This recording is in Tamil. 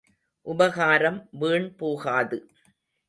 உபகாரம் வீண் போகாது.